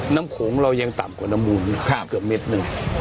โขงเรายังต่ำกว่าน้ำมูลเกือบเม็ดหนึ่ง